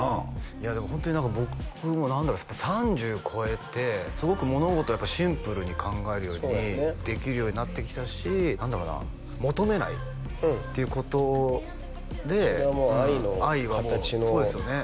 いやでもホントに僕も何だろう３０超えてすごく物事をシンプルに考えるようにできるようになってきたし何だろうな求めないっていうことでそれはもう愛のかたちのそうですよね